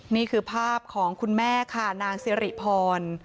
นี่คือภาพของคุณแม่ค่ะนางสิริพร